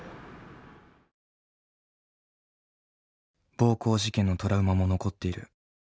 暴行事件のトラウマも残っている。